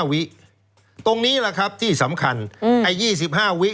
๒๕วิตรงนี้ล่ะครับที่สำคัญอืมไอ๒๕วิ